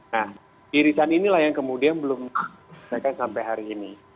nah irisan inilah yang kemudian belum selesaikan sampai hari ini